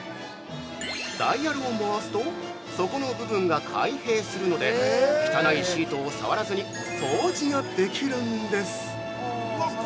ダイヤルを回すと、底の部分が開閉するので、汚いシートを触らずに掃除ができるんです！